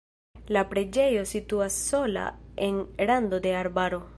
La preĝejo situas sola en rando de arbaro.